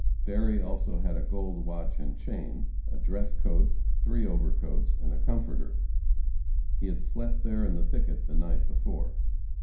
Berry also had a gold watch and chain, a dress coat, three overcoats and a comforter. He had slept there in the thicket the night before.